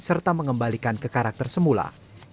dan juga untuk mengembalikan karakter semula